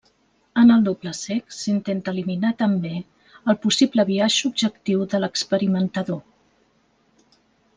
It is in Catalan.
En el doble cec s'intenta eliminar també el possible biaix subjectiu de l'experimentador.